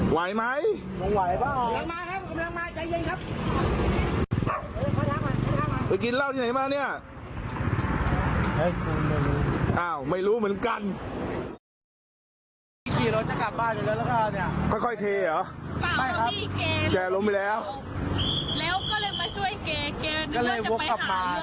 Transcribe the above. ไหวไหมร้อนมาแหล่งไม่ต่างจังเลยครับ